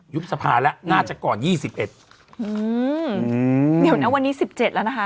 สภาแล้วน่าจะก่อนยี่สิบเอ็ดอืมเดี๋ยวนะวันนี้สิบเจ็ดแล้วนะคะ